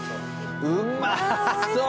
うまそう！